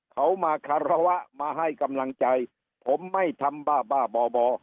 เขามาคารวะมาให้กำลังใจผมไม่ทำบ้าบ้าบ่อ